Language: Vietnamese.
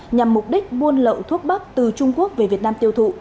nhằm mục đích buôn lậu thuốc bắc từ trung quốc về việt nam tiêu thụ